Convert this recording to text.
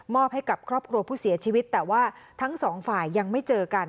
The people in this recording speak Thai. ให้กับครอบครัวผู้เสียชีวิตแต่ว่าทั้งสองฝ่ายยังไม่เจอกัน